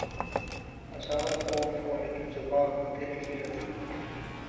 ہزار خوف ہو لیکن زباں ہو دل کی رفیق